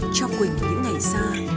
cho quỳnh những ngày xa